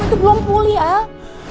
itu belum pulih al